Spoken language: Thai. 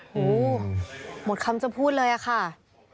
โหหมดคำจะพูดเลยอะค่ะ